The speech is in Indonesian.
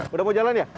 udah mau jalan ya